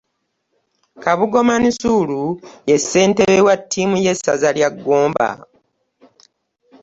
Kabugo Mansur, ye Ssentebe wa ttiimu y'essaza ly'e Gomba